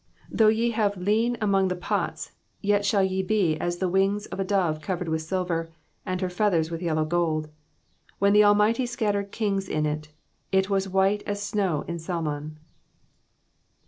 13 Though ye have lien among the pots, yet shall ye be as the wings of a dove covered with silver, and her feathers with yellow gold. 14 When the Almighty scattered kings in it, it was white as snow in Salmon.